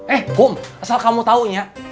eh kum asal kamu taunya